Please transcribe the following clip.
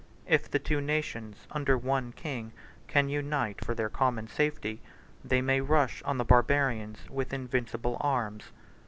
If the two nations, under one king, can unite for their common safety, they may rush on the Barbarians with invincible arms.